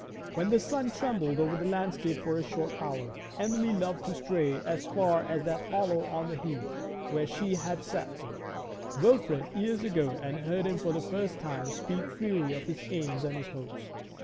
When the sun trembled over the landscape for a short hour, Emily loved to stray as far as that hollow on the heath where she had sat with Wilfrid years ago, and heard him for the first time speak freely of his aims and his hopes.